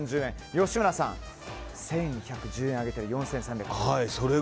吉村さん、１１１０円上げて４３１０円。